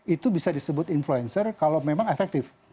itu bisa disebut influencer kalau memang efektif